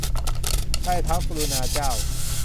ใต้เท้ากรุณาเจ้า